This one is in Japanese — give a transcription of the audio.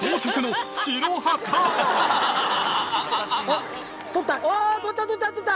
おっ取った？